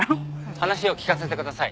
話を聞かせてください。